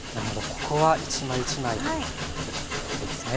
ここは一枚一枚焼いていくわけですね。